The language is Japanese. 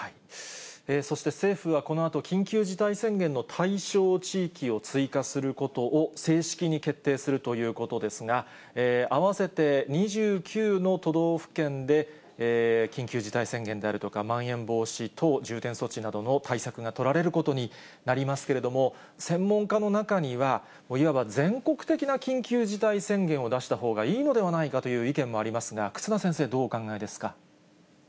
そして政府はこのあと、緊急事態宣言の対象地域を追加することを正式に決定するということですが、合わせて２９の都道府県で、緊急事態宣言であるとかまん延防止等重点措置などの対策が取られることになりますけれども、専門家の中には、いわば全国的な緊急事態宣言を出したほうがいいのではないかという意見もありますが、忽那先生はどうお考えですか。